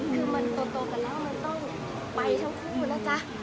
คือมันโตกันแล้วมันต้องไปทั้งคู่นะจ๊ะ